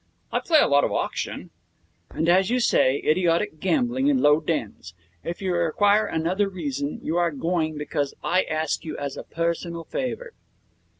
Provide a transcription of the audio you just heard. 'I play a lot of auction.' 'And as you say, idiotic gambling in low dens. If you require another reason, you are going because I ask you as a personal favour.'